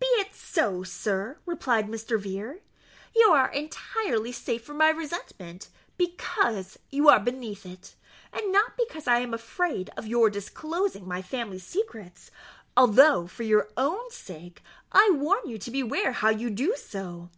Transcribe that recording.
"Be it so, sir," replied Mr. Vere; "you are entirely safe from my resentment, because you are beneath it, and not because I am afraid of your disclosing my family secrets, although, for your own sake, I warn you to beware how you do so.